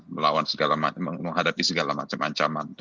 menghadapi segala macam ancaman